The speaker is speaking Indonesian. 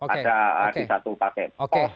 ada di satu pakai pos